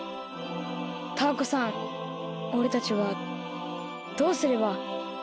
タアコさんおれたちはどうすれば？